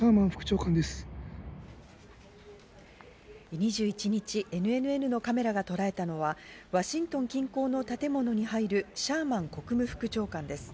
２１日、ＮＮＮのカメラがとらえたのはワシントン近郊の建物に入るシャーマン国務副長官です。